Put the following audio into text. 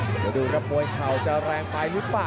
เดี๋ยวดูครับมวยเข่าจะแรงไปหรือเปล่า